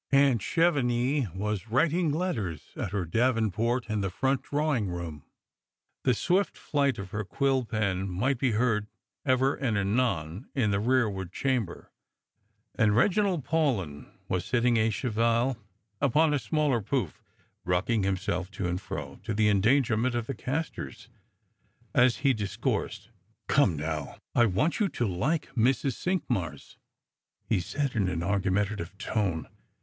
Aunt Chevenix was writing letters at her davenport in tlie front drawing room ; the swift flight of her quill pen miofht be heard ever and anon in the rearward chamber; and lEeginald Paulyn was sitting d cheval upon a smaller fon^, rockn.g himself to and fro, to the en(iangerment of the castors, as he discoursed. " C"me now. Miss Luttrell, I want you to like Mrs. Oinqniars," he said, in an argumentative tone.